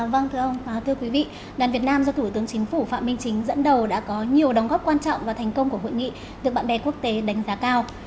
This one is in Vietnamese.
vâng thưa ông thưa quý vị đoàn việt nam do thủ tướng chính phủ phạm minh chính dẫn đầu đã có nhiều đóng góp quan trọng và thành công của hội nghị được bạn bè quốc tế đánh giá cao